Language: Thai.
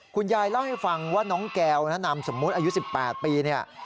คุณยายเล่าให้ฟังว่าน้องแก้วนะนามสมมุติอายุ๑๘ปีเนี่ย